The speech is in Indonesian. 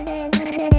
kau mau kemana